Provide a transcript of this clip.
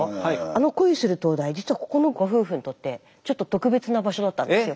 あの恋する灯台実はここのご夫婦にとってちょっと特別な場所だったんですよ。